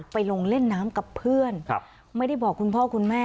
ลงเล่นน้ำกับเพื่อนไม่ได้บอกคุณพ่อคุณแม่